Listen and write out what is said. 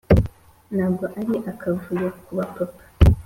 'ntabwo ari akavuyo kuba papa.